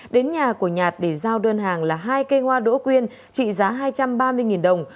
đến nhà của nhạt để giao đơn hàng là hai cây hoa đỗ quyên trị giá hai trăm ba mươi đồng